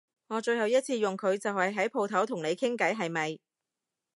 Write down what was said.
我最後一次用佢就係喺舖頭同你傾偈係咪？